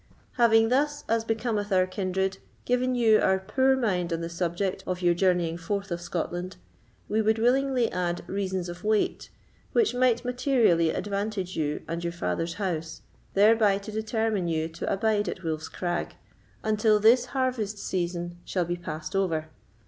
"Having thus, as becometh our kindred, given you our poor mind on the subject of your journeying forth of Scotland, we would willingly add reasons of weight, which might materially advantage you and your father's house, thereby to determine you to abide at Wolf's Crag, until this harvest season shall be passed over.